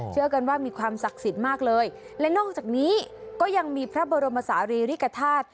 เชื่อกันว่ามีความศักดิ์สิทธิ์มากเลยและนอกจากนี้ก็ยังมีพระบรมศาลีริกฐาตุ